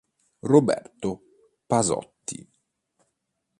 Roberto Pasotti